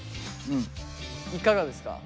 いかがですか？